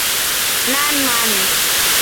นั่นมัน